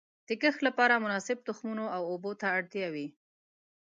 د کښت لپاره مناسب تخمونو او اوبو ته اړتیا وي.